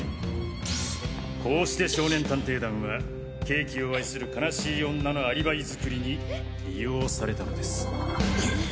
こうして少年探偵団はケーキを愛する哀しい女のアリバイ作りに利用されたのです。